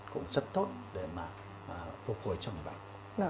cũng rất tốt để mà phục hồi cho người bệnh